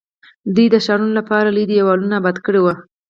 دوی د ښارونو لپاره لوی دیوالونه اباد کړي وو.